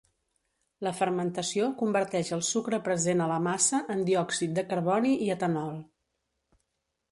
La fermentació converteix el sucre present a la massa en diòxid de carboni i etanol.